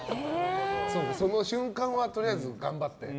その瞬間はとりあえず頑張って。